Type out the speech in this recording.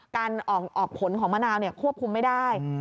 การออกผลของมะนาวควบคุมไม่ได้